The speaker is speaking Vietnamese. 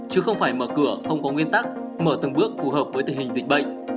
chứ không phải mở cửa không có nguyên tắc mở từng bước phù hợp với tình hình dịch bệnh